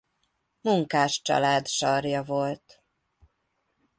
Munkáscsalád sarja volt.